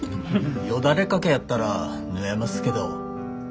よだれかけやったら縫えますけど。